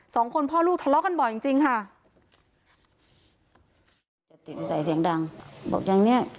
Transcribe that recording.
สองคนพ่อลูกทะเลาะกันบ่อยจริงค่ะ